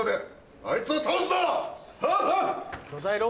・ああ！